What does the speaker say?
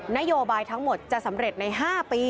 นโยบายทั้งหมดจะสำเร็จใน๕ปี